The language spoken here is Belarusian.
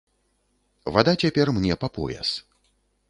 Вада цяпер мне па пояс.